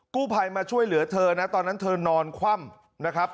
กู้ภัยมาช่วยเหลือเธอนะตอนนั้นเธอนอนคว่ำนะครับ